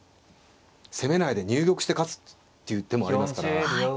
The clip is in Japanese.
攻めないで入玉して勝つっていう手もありますから。